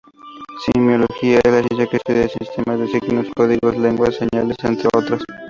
Semiología es la ciencia que estudia sistemas de signos: códigos, lenguas, señales, entre otras.